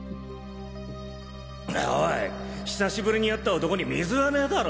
おい久しぶりに会った男に水はねだろ。